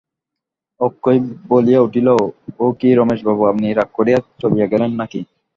অক্ষয় বলিয়া উঠিল, ও কী রমেশবাবু, আপনি রাগ করিয়া চলিয়া গেলেন নাকি?